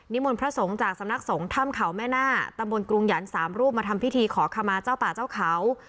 มนต์พระสงฆ์จากสำนักสงฆ์ถ้ำเขาแม่หน้าตำบลกรุงหยันสามรูปมาทำพิธีขอขมาเจ้าป่าเจ้าเขา